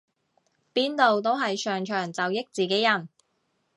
邊度都係上場就益自己人